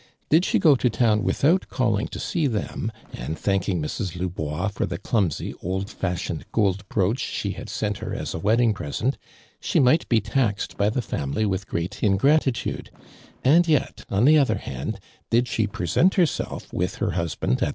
Did she go to town without calling to see them, and thanking Mi's. Lubois for the clumsy, old fashioned gold brooch she had sent her as a wedding present, she might be taxed by the family with great ingratitude, and yet, on the other hand, did she present herself with her husband at t'.